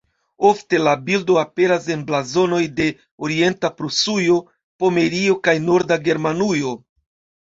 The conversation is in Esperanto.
Ofte la bildo aperas en blazonoj de Orienta Prusujo, Pomerio kaj Norda Germanujo.